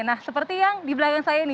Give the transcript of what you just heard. nah seperti yang di belakang saya ini